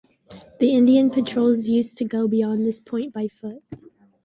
The Indian patrols used to go beyond this point by foot.